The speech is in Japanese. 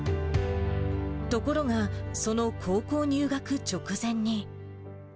ところが、その高校入学直前に。